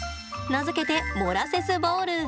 名付けてモラセスボール。